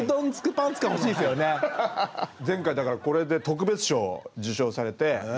前回だからこれで特別賞を受賞されて。